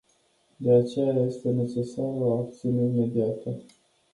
De aceea este necesară o acțiune imediată.